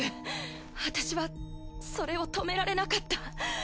私はそれを止められなかった。